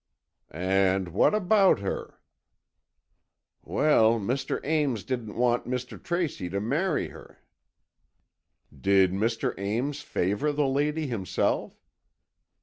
"And what about her?" "Well, Mr. Ames didn't want Mr. Tracy to marry her." "Did Mr. Ames favour the lady himself?"